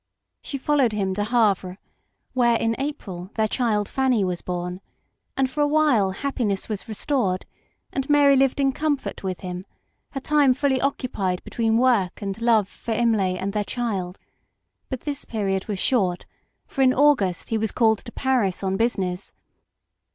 She followed him to Havre, where, in April, their child Fanny was born, and for a while happiness was restored, and Mary lived in comfort with him, her time fully occupied between work and love for Imlay and their child ; but this period was short, for in August he was called to Paris on business.